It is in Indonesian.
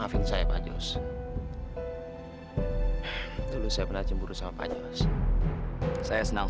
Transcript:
maafin saya pak jules dulu saya pernah cemburu sama pak jules saya senang